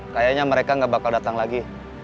kayaknya mereka nggak bakal datang lagi